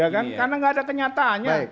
karena nggak ada kenyataannya